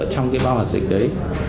trong cái bao hoạt dịch đấy